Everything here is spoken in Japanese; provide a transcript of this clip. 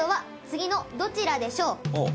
さて、どちらでしょう？